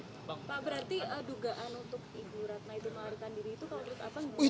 pak berarti dugaan untuk ibu ratna itu melarikan diri itu kalau menurut abang